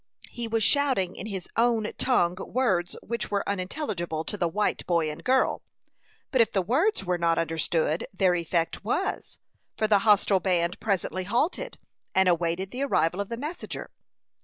He was shouting in his own tongue words which were unintelligible to the white boy and girl. But if the words were not understood, their effect was, for the hostile band presently halted, and awaited the arrival of the messenger.